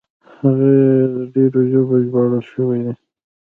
هغه یې په ډېرو ژبو ژباړل شوي دي.